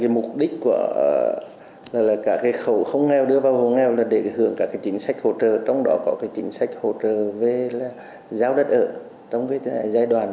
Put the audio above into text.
mục đích của các khẩu không nghèo đưa vào hộ nghèo là để hưởng các chính sách hỗ trợ trong đó có chính sách hỗ trợ về giáo đất ở trong giai đoạn hai nghìn một mươi một hai nghìn một mươi năm